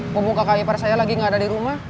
pembuka kakak ipar saya lagi gak ada di rumah